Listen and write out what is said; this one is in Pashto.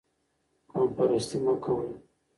قوم پرستي مه کوئ.